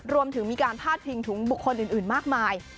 รวมถึงมีการพาดพิงถึงบุคคลอื่นมากมาย